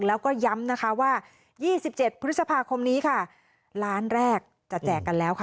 แล้วก็ย้ำนะคะว่า๒๗พฤษภาคมนี้ค่ะล้านแรกจะแจกกันแล้วค่ะ